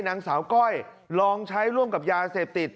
นางสาวก้อยลองใช้ร่วมกับยาเสพติด